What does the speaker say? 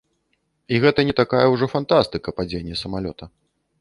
І гэта не такая ўжо фантастыка, падзенне самалёта.